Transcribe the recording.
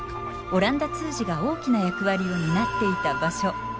オランダ通詞が大きな役割を担っていた場所